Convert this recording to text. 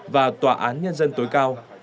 và tòa án nhân dân tối cao